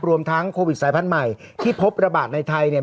รวมทั้งโควิดสายพันธุ์ใหม่ที่พบระบาดในไทยเนี่ย